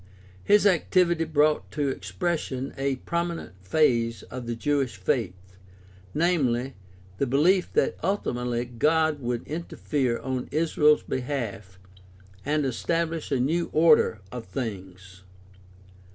His activity brought to expression a prominent phase of Jewish faith, viz., the b'elief that ulti mately God would interfere on Israel's behalf and estabhsh a new order of things.